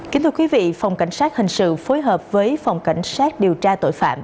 kính thưa quý vị phòng cảnh sát hình sự phối hợp với phòng cảnh sát điều tra tội phạm